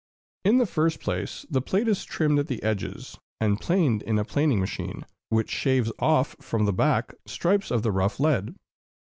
In the first place, the plate is trimmed at the edges, and planed in a planing machine, which shaves off, from the back, strips of the rough lead.